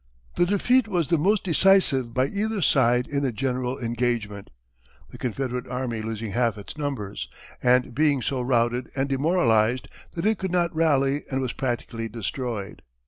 The defeat was the most decisive by either side in a general engagement, the Confederate army losing half its numbers, and being so routed and demoralized that it could not rally and was practically destroyed.